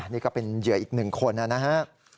นี่ก็เป็นเหยื่ออีก๑คนนะครับ